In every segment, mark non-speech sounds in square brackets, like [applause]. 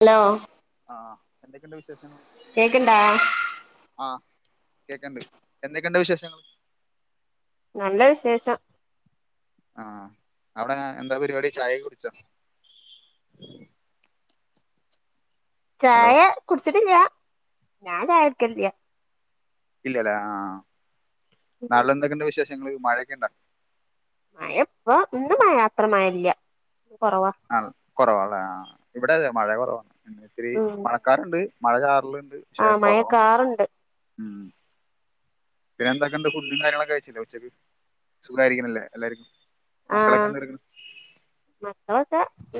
Hello ആഹ് എന്തെക്കെയുണ്ട് വിശേഷങ്ങള് കേക്ക്ണ്ടാ ആഹ് കേക്കണ്ട് എന്തെക്കെയുണ്ട് വിശേഷങ്ങൾ നല്ല വിശേഷം ആഹ് അവ്ടെങ്ങനെ എന്താ പരിപാടി ചായെക്ക കുടിച്ചോ ഹലോ ചായ കുടിച്ചിട്ട് ഇല്ല ഞാൻ ചായ കുടക്കലില്ല ഇല്ലലെ ആഹ് ഉം നാട്ട്ലെന്തെക്ക്ണ്ട് വിശേഷങ്ങള് മഴയെക്കെ ഇണ്ടോ മഴ ഇപ്പൊ ഇന്ന് മയാ അത്ര മയല്ല കൊറവാ ആണ് കൊറവാല്ലേ ഇവ്ടതെ മഴ കൊറവ ഇന്ന് ഇത്തിരി ഉം മഴക്കാറ്ണ്ട് മഴ ചാറ്ല്ണ്ട് ആഹ് മയ കാറ്ണ്ട് ഉം പിന്ന എന്തക്ക്ണ്ട് ഫുഡും കാര്യങ്ങളെക്ക കഴ്‌ച്ചില്ലേ ഉച്ചക്ക് സുഖായ്രിക്ക്ണല്ലേ എല്ലാരും മക്കളെക്ക എന്തട്ക്ക്ണ് മക്കളെക്ക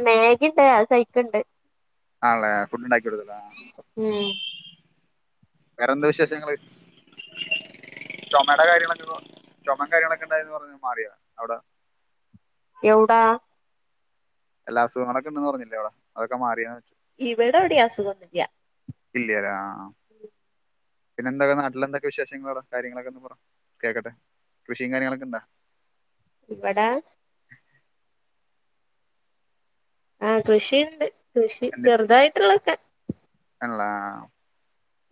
മാഗ്ഗി ഇണ്ട് അത് കയ്ക്ക്ണ്ട് ആണല്ലേ ഫുഡ് ഉണ്ടാക്കി കൊടുക്ക്ന്ന ഉം വേറെന്താ വിശേഷങ്ങള് ചുമയുടെ കാര്യങ്ങളൊക്കെ ചുമ കാര്യങ്ങളൊക്കെ ഉണ്ടായിരുന്നുന്ന് പറഞ്ഞ് മാറിയ അവിടെ എവ്ടാ അല്ലാ അസുഖങ്ങളൊക്കെ ഉണ്ടന്ന് പറഞ്ഞില്ലേ അവിടെ അതൊക്കെ മാറിയോന്ന് ചോയ്ച്ച ഇവിടെ എവിടെയും അസുഖൊന്നുമില്ല ഇല്ല്യല്ലേ ആഹ് പിന്നെ എന്തൊക്കെ നാട്ടിൽ എന്തൊക്കെ വിശേഷങ്ങളാടാ കാര്യങ്ങളൊക്കെ ഒന്ന് പറ കേൾക്കട്ടെ കൃഷിം കാര്യങ്ങളൊക്കെ ഉണ്ടോ ഇവടെ ആഹ് കൃഷിയുണ്ട് കൃഷി ചെറുതായിട്ടുള്ളൊക്കെ ആണല്ലേ ആഹ്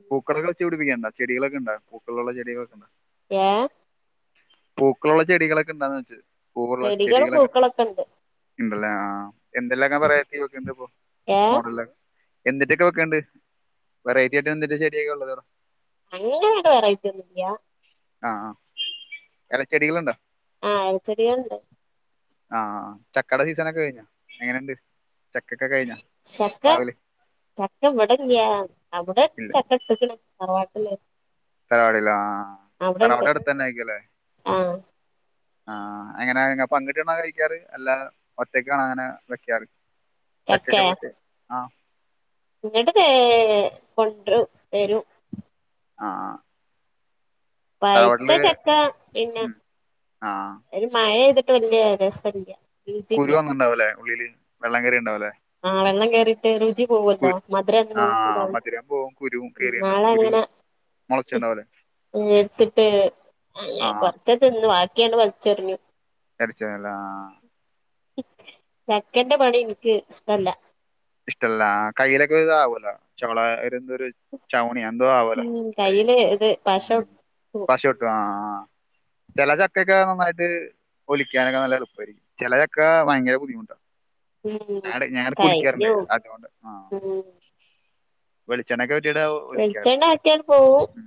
പൂക്കൾകള് വെച്ച് പിടിപ്പിക്കുണ്ടോ ചെടികളൊക്കെ ഇണ്ടാ പൂക്കളുള്ള ചെടികളൊക്കെ ഉണ്ട ഏഹ് പൂക്കളുള്ള ചെടികളൊക്കെ ഉണ്ടാന്ന് ചോയ്ച്ച ചെടികളും പൂക്കളൊക്കെ ഉണ്ട് ഉണ്ടല്ലേ ആഹ് എന്തെല്ലൊക്കെ വെറൈറ്റി വെക്കണ്ട് ഇപ്പൊ ഏഹ് മോഡലൊക്കെ എന്തിറ്റെക്കെ വെക്ക്ണ്ട് വെറൈറ്റി ആയിട്ട് എന്തിന്റെ ചെടിയൊക്കെ ഉള്ളത് അവടെ അങ്ങനെയങ്ങട്ട് വെറൈറ്റി ഒന്നുല്യ ആഹ് ആഹ് എലച്ചെടികള് ഇണ്ടോ ആഹ് എലച്ചെടികള്ണ്ട് ആഹ് ചക്കടെ സീസണെക്കെ കെയ്ഞ്ഞോ എങ്ങനെണ്ട് ചക്കൊക്കെ കഴിഞ്ഞോ ചക്ക പ്ലാവില് ചക്ക ഇവടെല്യ അവടെ ഇല്ല ചക്ക ഇട്ട്ക്ക്ണ് തറവാട്ടില് തറവാടിലാ അവിടെണ്ട് തറവാട് അട്ത്തെന്നെ ആയിക്കുവല്ലെ ആഹ് ആഹ് എങ്ങനെ ഇങ്ങള് പങ്ക്ട്ട് ഇര്ന്നാ കഴിക്കാറ് അല്ലാ ഒറ്റക്കാണോ അങ്ങനെ വെക്കാറ് ചക്കേ ചക്കെക്കെ വെട്ടി ആഹ് ഇങ്ങട്ട് തേ കൊട്രും തെരും ആഹ് ആഹ് പഴ്ത്ത ചക്ക പിന്നെ ഉം ആ ഒര്മഴൈത്ട്ട് വെല്യേ രസല്ല്യ കുരുഒന്നും ഇണ്ടാവൂലേ ഉള്ളില് വെള്ളംകേറിയാ ഇണ്ടാവൂലേ ആഹ് വെള്ളം കേറീട്ട് രുചി പോവാെല്ലോ മധുരം ആ [unintelligible] മധുരം പോവും കുരുവും കേറിണ്ടാവും ഇന്നാള് കുരു അങ്ങനെ മുളച്ചുണ്ടാവുംല്ലേ ഇഞ്ഞ് ഇട്ത്ത്ട്ട് ആ അങ്ങനെ പറിം ച്ചൊക്കെ തിന്നു വാക്കിയണ്ട് വൽച്ചെറിഞ്ഞു എടിച്ചേല ആഹ് ചക്കന്റെ പണി ഇൻക്ക് ഇഷ്ടല്ല ഇഷ്ടല്ലാ ആഹ് കയ്യിലെക്കെ ഇതാവോലോ ചൊളാ ഒരുന്താെരു ചൗണി എന്തോ ആവോല്ലോ ഉം കൈല് കയ്യില് ഇത് പശ ഉം ഒട്ടും പശെയൊട്ടും ആഹ് ആഹ് ചെല ചക്കെക്കെ നന്നായിട്ട് പൊലിക്കാനൊക്കെ നല്ല എള്പ്പായിരിക്കും ചെല ചക്ക ഭയങ്കര ബുദ്ധിമുട്ടാണ് ഉം ഞാടെ ഞായെടെക്ക് കുൽക്യാറ്ണ്ട് കയ്യും അതുകൊണ്ട് ആഹ് ഉം വെളിച്ചെണ്ണക്കെ പെരട്ടീട്ടാവും ഒലിക്കാറ് വെളിച്ചെണ്ണ ആക്കിയാണ്ട് പോവും ഉം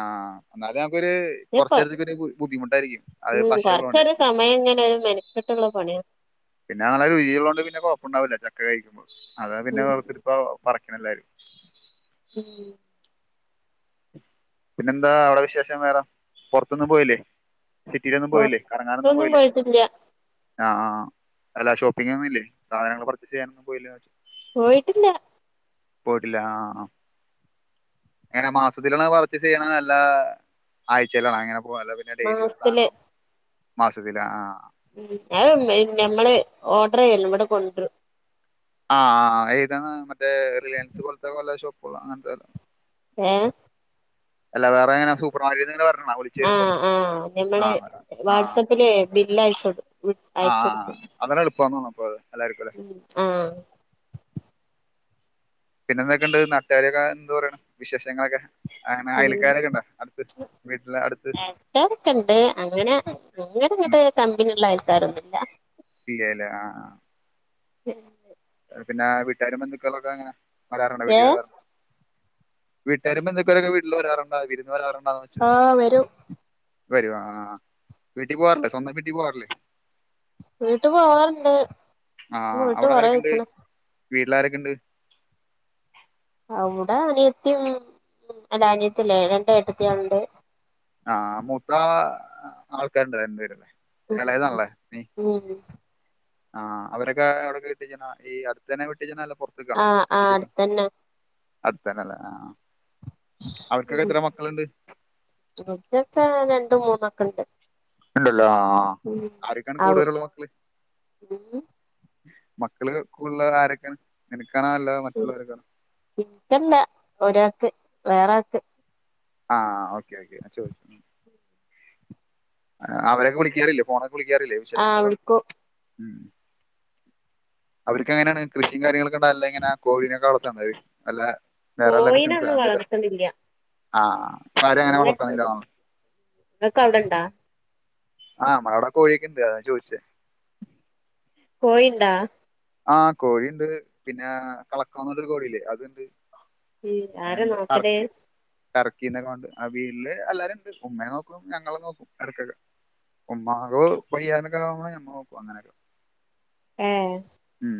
ആഹ് അന്നാല് നമ്ക്കൊര് പിന്നെ കൊ കാെറച്ചേരത്ത്ക്ക് ഒര് ബു ബുദ്ധിമുട്ടായിരിക്കും അത് ഉം പശയുള്ളോണ്ട് കൊറച്ചൊരു സമയം എങ്ങനെ ഒര്മെന ക്കെട്ട്ള്ള പണിയാ പിന്നെ നല്ല രുചിയുള്ളോണ്ട് പിന്നെ കൊഴപ്പുണ്ടാവില്ല ചക്ക കഴിക്കുമ്പാെ അതാ പിന്നെ ഉം വെർത്തിരിപ്പാ പറിക്ക്ണ എല്ലാരും [unintelligible] പിന്നെന്താ അവടെ വിശേഷം വേറെ പാെർത്തൊന്നും പോയില്ലേ സിറ്റിയിലൊന്നും പോയില്ലേ കറങ്ങാനൊന്നും പൊറത്തൊന്നും പോയില്ലേ പോയിട്ടില്ല ആഹ് ആഹ് അല്ലല്ലാ ഷോപ്പിങ്‌ ഒന്നും ഇല്ലേ സാധനങ്ങള് പർച്ചെെസ് ചെയ്യാനൊന്നും പോയില്ലേ എന്നാേയ്ച്ച് പോയിട്ടില്ല പോയിട്ടില്ല ആഹ് ആഹ് എങ്ങനെ മാസ് ഇപ്പതില്ള്ളാ വർക്ക് ചെയ്യണം ഇങ്ങനെല്ലാ ആയ്ചയിലാണോ അങ്ങനെ പുവാ അല്ലാതെ പിന്നെ ഡെെലി ഒരു സാധനം മാസത്തില് നോക്ക് മാസത്തില് അ ആഹ് ഉം അത് ഇമ്മെ ഞമ്മള് ഓഡ്റിയ്യലും ഇവെടെ കൊട്രും ആഹ് ആഹ് ഏതാണ് മറ്റേ റിലേൻസ് പോൽത്തെ പലെ ഷോപ്പുള്ള അങ്ങന്‌ത്തെ വെല്ലം ഏഹ് അല്ല വേറെങ്ങെനാ സൂപ്പർ മാർക്കറ്റ് ഇങ്ങനെ വർക്ക് ആഹ് ആഹ് ഞമ്മള് വാട്സപ്പില് ബില്ല് അയച്ചൊട് ആഹ് ആഹ് ആഹ് അങ്ങനെ എള്പ്പാന്ന് തോന്ന്ണു ഇപ്പത് എല്ലാര്ക്കുംലെ ഉം ആഹ് പിന്നെന്തൊക്കെണ്ട് നാട്ടാര്യൊകെ എന്ത് പറിണ് വിശേഷങ്ങളൊക്കെ അങ്ങനെ അയലക്കാരൊക്കെണ്ടോ അടുത്ത് വീട്ട്ലെ അട്ത്ത് ക്കാരൊക്കെണ്ട് അങ്ങനെ അങ്ങനെങ്ങട്ട് കമ്പിനിള്ള അയൽക്കാരൊന്നുല്ല ഇയേല ആഹ് ആഹ് ഉം. ഹ് പിന്നാ വീട്ടാരും ബന്ധുക്കളൊക്കെങ്ങനെ വരാറുണ്ടോ ഏ വീട്ടിൽ വരാറു വീട്ടാരും ബന്ധുക്കലൊക്കെ വീട്ടിൽ വരാറുണ്ടാ വിരുന്ന് വരാറുണ്ടാനൊച്ച് ആഹ് വരും വരുവാ ആഹ് ആഹ് ആഹ് വീട്ടി പുവാറ്ല്ലേ സ്വന്തം വീട്ടി പോവാറ്ല്ലേ വീട്ട് പോവാറ്ണ്ട് മ്പോയിട്ട് കൊറേ ആയ്ക്ക്ണ് വീട്ട്ലാരക്കെണ്ട് അഉടെ അനിയത്തിം അല്ല അനിയത്തിയല്ല രണ്ട് ഏട്ടത്ത്യേൾണ്ട് ആഹ് മൂത്ത ആൾക്കാര്ണ്ട് വര്ണ്ട്യരു ഉം ഉം ആഹ് അവരൊക്കെ എവ്ട്ക്കാ കെട്ടിച്ച്ണ ഈ അട്ത്തനെ വെട്ടിച്ച്ണാല്ലെ പൊ ആഹ് ആഹ് അട്ത്തന്നെ അട്ത്തന്നല്ലെ ആഹ് ഉം ഉറ്റൊക്കെ രണ്ടും മൂന്നൊക്കണ്ട് ഇല്ലല്ലോ ആഹ് ആര്ക്കാണ് കൂടുതലുള്ള മക്ള് ഉം മക്കള് കൂൾളെള ആരൊക്കെണ് നിനക്കാണാ അല്ല മറ്റുള്ളവരെ കാണോ ഇക്കല്ല ഒരാക്ക് വേറാക്ക് ആഹ് ഓക്യേ ഓക്യേ ആചോയ്ച് അവരൊക്ക വിളിക്യാറില്ലേ ഫോണൊക്കെ വിളിക്യാറില്ലേ ആഹ് വിശേങ്ങളൊകൊൽ വിളിക്കും ഉം അവര്ക്കെങ്ങനാണ് കൃഷികാര്യങ്ങള് ക്ക്ടെല്ലങ്ങനെ കോഴിനെക്കെ വളർത്ത ന്നത് അല്ല വേറെവല്ല ബിസിൻസ് അന്തേലും ഇല്ല്യ ആഹ് അങ്ങട്ട്ടും ങ്ങക്കവടണ്ടാ ആഹ് മഅടെ കോഴിക്കെണ്ട് അതാ ചോയ്ച്ചെ കോയിണ്ടാ ആഹ് കോഴിണ്ട് പിന്നെ കളക്കം ന്നർട്ടൊര് കോഴില്ലേ അത്ണ്ട് ഉം ആരാ അയ്നന്താ നോക്കല് ട്ടർക്കിയോ ട്ടർക്കിന്നൊക്കെണ്ട് ആഹ് വീട്ല് എല്ലാര്ണ്ട് ഉമ്മേം നോക്കും ഞങ്ങളും നോക്കും എടക്കക്കെ ഉമ്മാഗു വയ്യാതെക്കാവ്പ ഞമ്മളോക്കും അങ്ങനെക്കെ ഏഹ് ഉം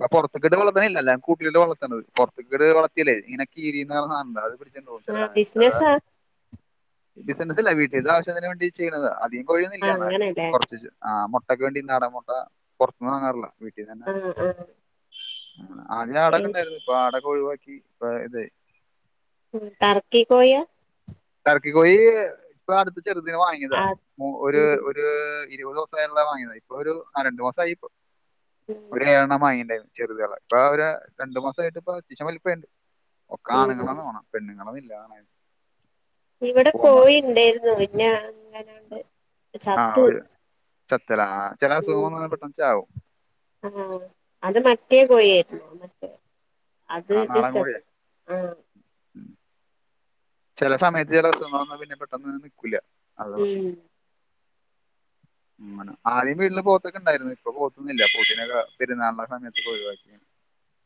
പ്പ പൊർത്ത്ക്ക്ട്ട് വളത്ത്നില്ലല്ലാ കൂട്ട്‌ല്‌ട്ട് വളർത്ണത് പൊർത്ത്ക്ക്ട് വളത്തിയാല് ഇങ്ങനെ കീരിന്ന്ർന സാൻണ്ടത് റ്റൺ ഹോസ്റ്റലാ ആഹ് സാനങ്ങക് ബിസിനസാ അതാണ് ബിസിനസല്ല വീട്ടിൽത്തെ ആവ്ശ്യത്തിന് വേണ്ടി ചെയ്യ്ണതാ അതി ആഹ് കൊഴിയൊന്നുല്യ ന്നാലും അങ്ങനെല്ലേ കൊർച്ച്ട്ട് ആഹ് മുട്ടക്ക് വേണ്ടി നാടൻ മുട്ട പൊർത് ന്ന് വാങ്ങാറ്ല്ല പിന്നെന്നാ ആഹ് ആഹ് ആദ്യ ആടക്കണ്ടായിര്ന്നു പ്പ ആടക്ക ഒഴിവാക്കി പ്പ തയ് ഉം ട്ടർക്കി കോഴിയാ ടർക്കി കോയീ പ്പോ അട്ത്ത് ചെർതിനെ വാങ്ങ്യേതാ ആഹ് ഒര് ഉം ഒര് ക്ക്ഇര്പസോസായ്ള്ളത് വാങ്ങീന്നത് ഇപ്പൊ ഒരു രണ്ടു മാസാസയി പോ ഉം ഒര് ഏഴെണ്ണം. മാങ്ങിണ്ടായിര്ന്നു ചെറുത്യാള്ള ട്രാവ് ലെ രണ്ട് മാസായ്ട്ട് പ്പ ചിസംവൽപേണ്ട് ഉം ഒക്കാണ്ങ്ങളാന്നാ തോന്ന് പെണ്ണുങ്ങളോന്നുല്ലാ ഇവിടെ കോയിണ്ടേർന്നു പിന്നെ അങ്ങനാണ്ട്. ആഹ് ചത്തു ഓര് ചത്തലെ ആ ചില അസുഖം വന്ന പെട്ടെന്ചാവും. ആ അത് മറ്റേ കോയി ആര്ന്നു മറ്റേ അത് ആ നാടൻ ച- കോഴിയെ ആഹ. ചെല സമയത്ത് ചെല അസുഖങ്ങള് വന്നാ പിന്നെ പെട്ടെന്ന് നിക്കുല അത പ്രശ്നം. ഉം ഉം. അങ്ങനെ ആദ്യം വീട്ടില് പോത്തക്കെണ്ടായിരുന്നു ഇപ്പോ പോത്തുന്നില്ല പോത്തിനെക്കെ പെരുന്നാളിന്റെ സമയത്ത് ക്കെഒയിവാക്കിണ്.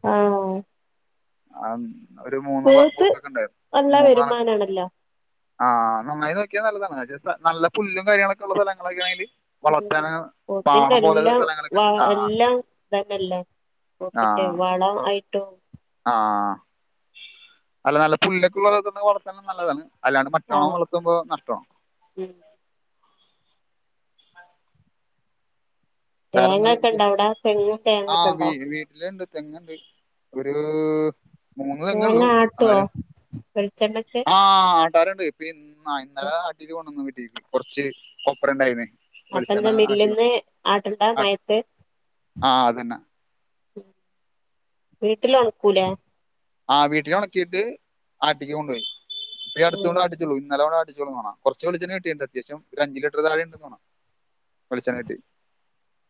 ആ ആം. പോത്ത് നല്ല വരുമാനാണല്ലോ. ആഹ് നന്നായി നോക്കിയാ നല്ലതാണ് നല്ല പുല്ലും കാര്യങ്ങളൊക്കെള്ള സ്ഥലങ്ങളൊക്കെ ആണെങ്കില്. ഉ പോത്തിന്റെ എല്ലാം സ്ഥലങ്ങളൊക്കെ വ ഉണ്ട് ആ എല്ലാം ഇ തന്നെല്ലേ. പോത്തിന്റെ വളം ആയിട്ടും. ആഹ അല്ല നല്ല പുല്ലോക്കെള്ളത്‌ വളതാനും നല്ലതാണ് അല്ലാണ്ട് ആഹ് [unintelligible] വള ക്കുമ്പോ നഷ്ട്ടമാണ്. ഉം ച്ചാരങ്ങൾ തേങ്ങൊക്കെ ഹ് ഇണ്ടോ അവിടെ തെങ്ങും തേങ്ങൊക്കെ ആഹ് വീ ഇണ്ടോ വീട്ടില്ണ്ട്. തെങ്ങ്ണ്ട് ഒരു. മൂന്ന് തേങ്ങ തെങ്ങുള്ളൂ ആട്ടുവോ എന്നാലും വെളിച്ചെണ്ണക്ക് ആ. [unintelligible] ഇന്നലെ ആട്ടീട്ട് കൊന്നു വീട്ടീ കുറച്ച് കൊപ്പര ഇണ്ടായിനെ. അപ്പന്താ മില്ലിന്ന് ആട്ണ്ട മയത്ത്. ആ അതന്നെ വീട്ടില് ഉണക്കൂലേ. ആ വീട്ടില് ഉണക്കിയിട്ട് അടിക്കാൻ കൊണ്ടോയി ഇപ്പോ ഈ അടുത്ത് കൊണ്ടോയി ആട്ടിച്ചോളൂ ഇന്നലെ ഇങ്ങോട്ട് അടിച്ച് കൊട്ന്നൊള്ളു. കുറച്ച് വെളിച്ചെണ്ണ കിട്ടിട്ടുണ്ട് അത്യാവ്യം ഒരു അഞ്ച് ലിറ്റർ താഴെ ഉണ്ടന്ന് തോ വെളിച്ചെണ കിട്ടി.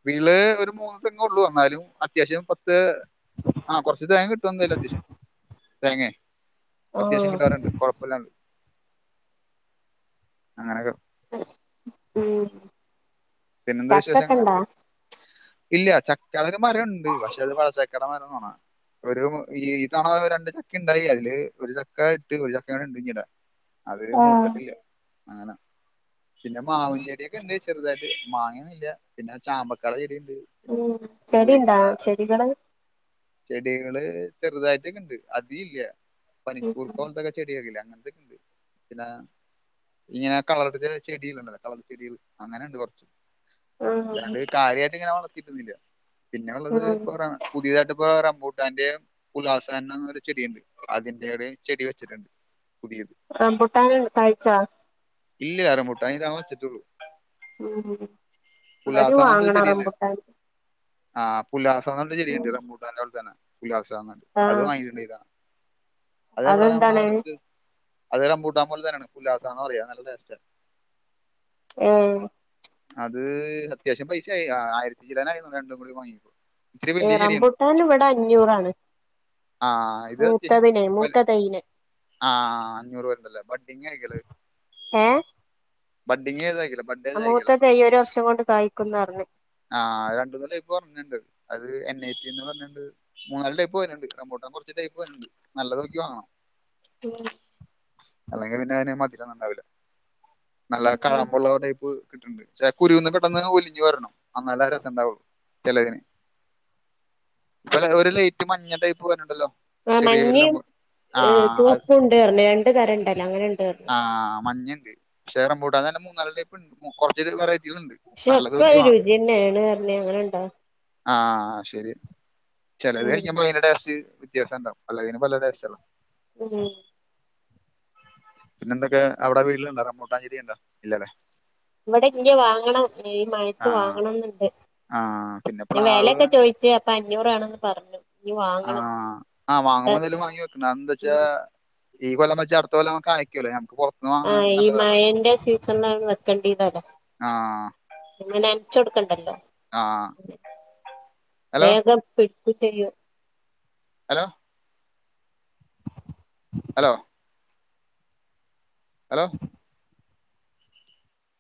വീട്ട്ള് ഒരു മൂന്ന് തെങ്ങ ഉള്ളു എന്നാലും അത്യാവശ്യം പത്ത്. ആ കുറച് തേങ്ങ കിട്ടും എന്തായാലും അത്യാവശ്യം. തേങ്ങേ അത്യാവശ്യം ആഹ് കിട്ടാറുണ്ട് കൊഴപ്പല്ലാതെണ്ട്. അങ്ങനെഒക്കെ. ഉം. പിന്നെന്താ ചക്കൊക്കെ വിശേഷങ്ങള്. ഇണ്ടാ ഇല്ല ചക്കടെ ഒരു മരംണ്ട് പക്ഷെ അത് വഴച്ചക്കടെ മരം തോണാ. ഒരു ഈ ഈ തണ രണ്ട് ചക്ക ഉണ്ടായി അതില് ഒരു ചക്ക ഇട്ട് ഒരു ചക്ക അടെ ണ്ട് ഞ്ഞിടാൻ. അത് ഉം മൂത്തട്ടില്ല അങ്ങനെ പിന്നെ മാവും ചെടിഒക്കെ ഇണ്ട് ചെറുതായിട്ട്. മാങ്ങഒന്നുല്ല പിന്നെ ചാമ്പക്കാടെ ചെടിയുണ്ട്. പിന്നെ ഉം ചെടിണ്ടാ മുരിങ്ങട ചെടികള്. ചെടികള് ചെറുതായിട്ടൊക്കെണ്ട് അതി ഇല്ല ഉം പനിക്കൂർക്കൊലെ ചെടിയക്കില്ല അങ്ങനന്തൊക്കെയ ഉണ്ട് പിന്ന. ഇങ്ങനെ കളർത്തെ ചെടികളുണ്ടല്ലോ കളർ ചെടികൾ അങ്ങനെ ഉണ്ട് കുറച്ച്. ഇല്ലാണ്ട് കാര്യമായിട്ട് ഇങ്ങനെ വളർത്തിയിട്ടൊന്നില്ല പിന്നെ ഉള്ളത് ഇ ഉം പുതിയതായിട്ട് ഇപ്പോ റംബൂട്ടാന്റെ ഉലാസനം എന്ന ഒരു ചെടി ഉണ്ട് അതിന്റെ ഒരു ചെടി വെച്ചിട്ടുണ്ട്. പുതിയത്. റംഭുട്ടാൻ കായ്ച. ഇല്യാ റംബൂട്ടാൻ ഇതാവണ വെച്ച്ട്ടൊള്ളു. ഉം അല്ലാരും പുലാസാന്ന് വാങ്ങണ റെംബുട്ടാന്. ആഹ് പുല്ലാസ നർ ഞചെടിയുണ്ട് റബുട്ടാന്റെ അവിടെ തന്നെ പുലാസാന്പറിം അത്. ആഹ് വാങ്ങിട്ടുണ്ടണ്ട് ഇതാണ് അതെ എവിട നമ്മുടെ അതെന്താണ് അടുത്ത് അത്‌ റപൂട്ടാൻ പോലെ തന്നെയാണ് പുല്ലാസാന്ന പറയാ നല്ലട്ടേസ്റ്റാണ്. ഉം. അത് അത്യാവശ്യം പൈസയായി ആയിരത്തി ചില്ലാനായിതോ നുന്നു രണ്ടും കൂടി വാങ്ങിയപ്പോ. ഇത്തിരി ഏഹ് വലിയ ചെടിയാണ് റംബുട്ടാൻ ഇവിടെ അഞ്ഞൂറാണ് ആ മൂത്തതിനെ മൂത്തതയ്യിനെ ആഹ് അഞ്ഞൂറ് പേരുണ്ടല്ലേ ബഡ്ഢിങ്ങാരിക്കുല്ലേ അത് എഹ് ബഡ്ഢിങ്ങ് ചെയ്തതാരിക്കില്ലേ ബഡ് ആഹ് ഏതായിക്കല മൂത്ത തൈ ഒരു വർഷം കൊണ്ട് കായ്ക്കുന്ന് പറഞ്ഞ് ആഹ് രണ്ടു മൂന്ന് കൊല്ലായ് ഇപ്പോ ഒർനൊണ്ട് അത് എൻ ഐ റ്റി ന്ന് പറഞ്ഞോണ്ട് മൂന്നാല് ടൈപ്പ് വര്ണ്ട് റംമ്പുട്ടാൻ കുറച്ച് ടൈപ്പ് വന്നൊണ്ട് നല്ല നോക്കി വാങ്ങണം ഉം അല്ലെങ്കി പിന്നെ അതിന് മതിരൊന്നുണ്ടാവില്ല നല്ല ഉം കാമ്പുള്ളവടൈപ്പ് കട്ട്ണ്ട് ചേ കുരുന്ന് പെട്ടെന്ന് ഒലിഞ്ഞു വരണം അന്നാലാ രസോണ്ടാവുള്ളൂ ചെലതിന് ഇപ്പൊ ഒരു ലേറ്റ് മഞ്ഞടൈപ്പ് വര്ണ്ടല്ലോ ആഹ് മഞ്ഞെ ഏഹ് അത് ചുവപ്പും ഉണ്ട് പറഞ് രണ്ട് തരം ഉണ്ടല്ലോ അങ്ങനെണ്ട് പറഞ് ആഹ് മഞ്ഞെണ്ട് ഷേ റംപൂട്ടാ തന്നെ മൂന്നാല് ടൈപ്പ്ണ്ട് മു കൊറച്ചൊരു വെറൈ പക്ഷെ ഒക്ക ഒരു രുചിയന്നേണ് പറഞ് അങ്ങനെണ്ടാ ആഹ് ശരി ചെലവര് ഉം കഴിക്കുമ്പോ അയ്‌ന്റെ ടേസ്റ്റ് വ്യത്യാസം ഉണ്ടാവും പലതിനും പല ടേയ്സ്റ്റല്ലേ ഉം പിന്നെ എന്തൊക്കെ അവിടെ വീട്ടിലുണ്ടാ റംബൂട്ടാൻചെടി ഇണ്ടാ ഇല്ലല്ലേ ഇവിടെ ഇന്ത് വാങ്ങണം ഈ മയത്ത് ആഹ് വാങ്ങണംന്ന്ണ്ട് ആഹ് പിന്നെ ഞാൻ പ്ലാവ് വെലേക്കെ ചോയിച്ച് അപ്പൊ അഞ്ഞൂറാണെന്ന് പറഞ്ഞു ഇനി വാങ്ങണം ആഹ് ആഹ് ഇവിടെ വാങ്ങുമ്പോ എന്തേലും വാങ്ങി വെക്കണം എന്താച്ചാ ഉം ഈ കൊല്ലം വെച്ച അടുത്ത കൊല്ലാകുമ്പ കായ് ക്യുല്ലേ നമക്ക് പൊറത്ത്ന്ന് വാ ആഹ് ഈ മഴേന്റെ സീസണിലാണ് വെക്കേണ്ടിയതത് ആഹ് പിന്നെ നനച്ച് കൊടുക്കണ്ടല്ലോ ആഹ് ഹലോ വേഗം പിടിക്വെ ചെയ്യൂ ഹലോ ഹലോ ഹലോ